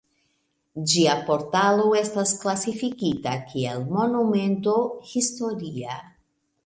Ĝia portalo estas klasifikita kiel Monumento historia.